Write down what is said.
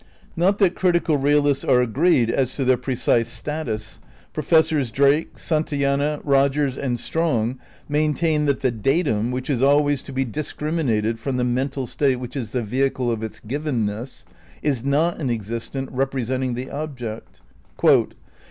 Not that critical realists are agreed as to their pre cise status. Professors Drake, Santayana, Eogers and Strong maintain that the datum, which is always to be discriminated from "the mental state which is the vehicle of its givenness, " is not an existent "represent ing the object," "it is